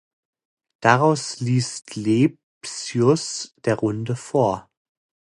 Daraus liest Lepsius der Runde vor.